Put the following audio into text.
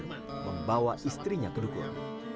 membawa istrinya ke dukun